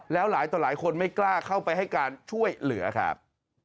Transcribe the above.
แล้วหลายต่อหลายคนไม่กล้าเข้าไปให้การช่วยเหลือครับ